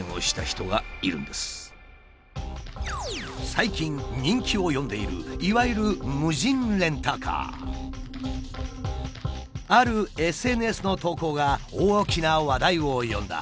最近人気を呼んでいるいわゆるあるＳＮＳの投稿が大きな話題を呼んだ。